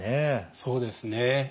そうですね。